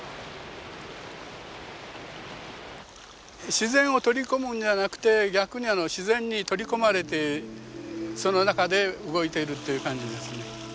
自然を取り込むんではなくて逆に自然に取り込まれてその中で動いているという感じですね。